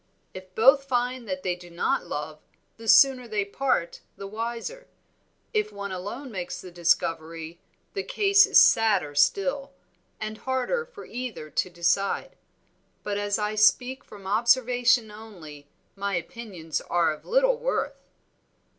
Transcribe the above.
If both find that they do not love, the sooner they part the wiser; if one alone makes the discovery the case is sadder still, and harder for either to decide. But as I speak from observation only my opinions are of little worth."